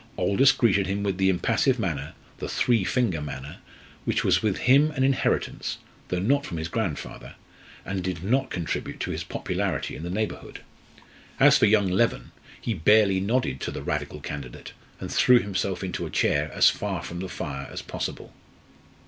Aldous greeted him with the impassive manner, the "three finger" manner, which was with him an inheritance though not from his grandfather and did not contribute to his popularity in the neighbourhood. As for young Leven, he barely nodded to the Radical candidate, and threw himself into a chair as far from the fire as possible.